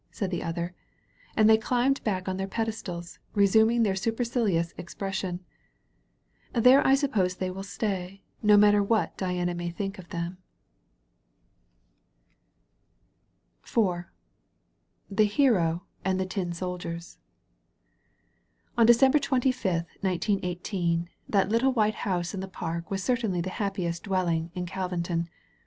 said the other. And they climbed back on their Pedestals, resuming their supercilious expression. There I suppose they will stay, no matter what Diana may think of them. 230 THE HERO AND TIN SOLDIERS On December twenty fifth, 1918, that little white house in the park was certainly the happiest dwel ling in Calvinton.